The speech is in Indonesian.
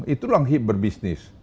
itu langsung berbisnis